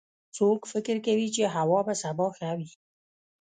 څوک فکر کوي چې هوا به سبا ښه وي